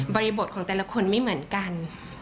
บริบทของแต่ละคนไม่เหมือนกัน